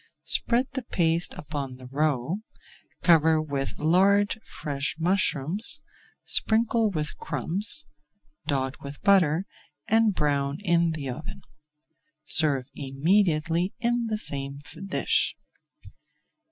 Spread the paste upon the roe, cover with large fresh mushrooms, sprinkle with crumbs, dot with butter, and brown in the oven. Serve immediately in the same dish.